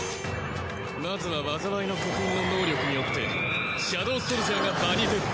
まずは災いの刻印の能力によってシャドウソルジャーが場に出る。